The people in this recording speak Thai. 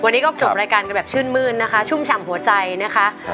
วันนี้ก็จบรายการกันแบบชื่นมื้นนะคะชุ่มฉ่ำหัวใจนะคะ